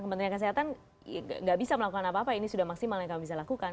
kementerian kesehatan nggak bisa melakukan apa apa ini sudah maksimal yang kamu bisa lakukan